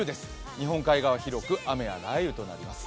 日本海側、広く雨や雷雨となります。